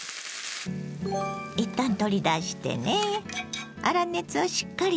いったん取り出してね。